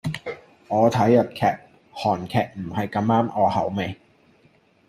我睇開日劇，韓劇唔係咁啱我口味